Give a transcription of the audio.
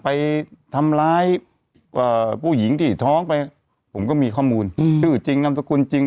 ไปทำร้ายผู้หญิงที่ท้องไปผมก็มีข้อมูลชื่อจริงนามสกุลจริง